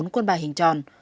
bốn quân bài hình tròn